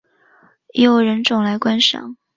也有人种来观赏。